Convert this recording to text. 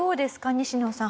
西野さん